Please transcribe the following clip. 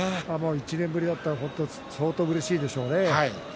１年ぶりだと相当うれしいでしょうね。